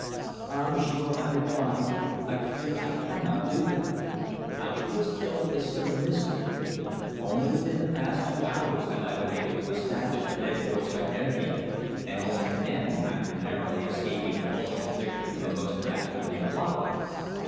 "Ah! m'sieur," I replied, "I fear I cannot do that. How she was killed is still a mystery. Only within the past few hours have I been able to establish the dead girl's identity, and only then after narrowly escaping falling the victim of a most dastardly plot."